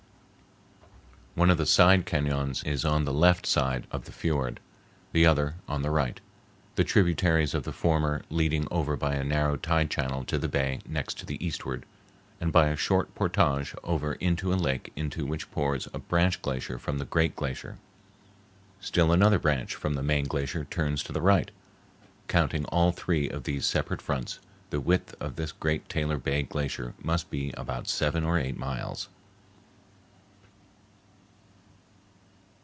One of the side cañons is on the left side of the fiord, the other on the right, the tributaries of the former leading over by a narrow tide channel to the bay next to the eastward, and by a short portage over into a lake into which pours a branch glacier from the great glacier. Still another branch from the main glacier turns to the right. Counting all three of these separate fronts, the width of this great Taylor Bay Glacier must be about seven or eight miles.